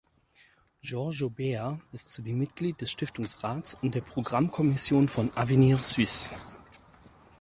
Giorgio Behr ist zudem Mitglied des Stiftungsrats und der Programmkommission von Avenir Suisse.